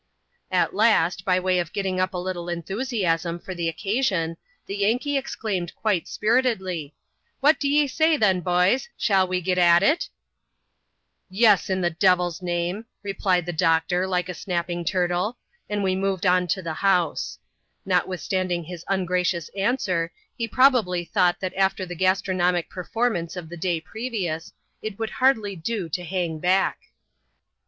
At last, by way of getting up a little enthusiasm for the occa sion, the Yankee exclaimed quite spiritedly, " What d'ye say, then, b'ys, shall we git at it ?"" Yes, in the devil's name !" replied the doctor, like a snap ping turtle ; and we moved on to the house. Notwithstanding his ungracious answer, he probably thought that after the gas tronomic performance of the day previous, it would hardly do to hang back.